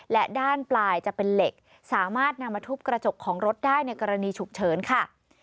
และด้านปลายจะเป็นเหล็กสามารถนำมาทุบกระจกของรถได้ในกรณีฉุกเฉินค่ะ